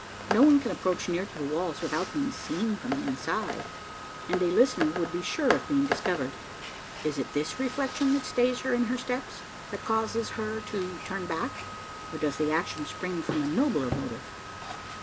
No one can approach near to the walls without being seen from the inside; and a listener would be sure of being discovered. Is it this reflection that stays her in her steps? that causes her to turn back? Or does the action spring from a nobler motive?